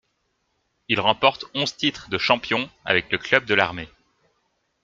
Il remporte onze titres de champion avec le club de l'armée.